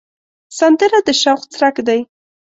سندره د شوق څرک دی